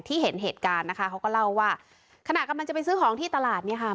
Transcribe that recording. เห็นเหตุการณ์นะคะเขาก็เล่าว่าขณะกำลังจะไปซื้อของที่ตลาดเนี่ยค่ะ